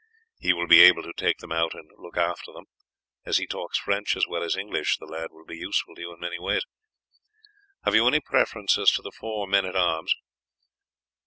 He will be able to take them out and look after them, and as he talks French as well as English the lad will be useful to you in many ways. Have you any preference as to the four men at arms?"